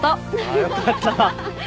あよかった。